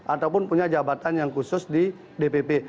ataupun punya jabatan yang khusus di dpp